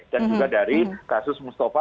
dan juga dari kasus mustafa